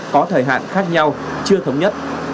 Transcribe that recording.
có thời hạn khác nhau chưa thống nhất